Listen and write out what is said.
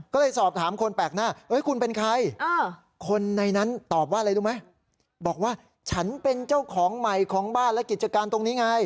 ก็เลยสอบถามคนแปลกหน้าคุณเป็นใครคนในนั้นตอบว่าอะไรรู้ไหมบอกว่าฉันเป็นเจ้าของใหม่ของบ้านและกิจการตรงนี้ไง